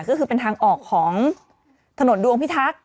ก็คือเป็นทางออกของถนนดวงพิทักษ์